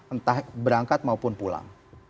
entah berangkat maupun pulang